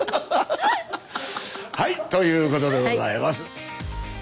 はい！ということでございます。